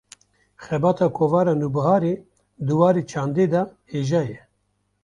Xebata Kovara Nûbiharê, di warê çandê de hêja ye